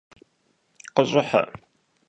Khış'ıhe!